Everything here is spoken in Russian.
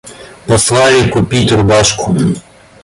Послали купить рубашку.